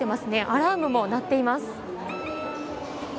アラームも鳴っています。